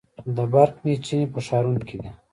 د برق میچنې په ښارونو کې دي.